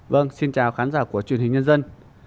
vâng xin chào khán giả của truyền hình nhân dân